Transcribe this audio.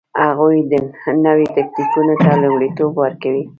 هغوی نویو تکتیکونو ته لومړیتوب ورکوي